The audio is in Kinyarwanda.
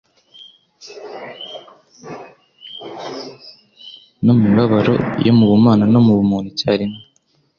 no mu mibabaro yo mu bumana no mu bumuntu icyarimwe,